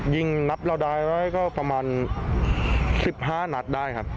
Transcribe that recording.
ยิ่งนับแล้วได้เราก็ประมาณถึง๑๕นัดได้ครับ